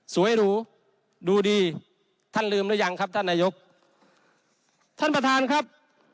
หรูดูดีท่านลืมหรือยังครับท่านนายกท่านประธานครับ